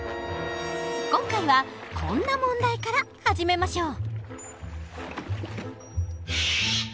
今回はこんな問題から始めましょう。